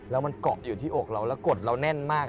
แล้วมันเกาะอยู่ที่อกเราแล้วกดเราแน่นมาก